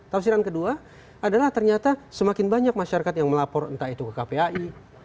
tafsiran kedua adalah ternyata semakin banyak masyarakat yang melapor entah itu ke kpai